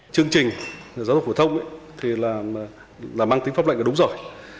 chương trình giáo dục phổ thông thì là mang tính pháp lệnh là đúng rồi